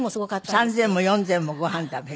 ３膳も４膳もご飯食べる。